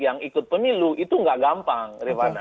yang ikut pemilu itu tidak gampang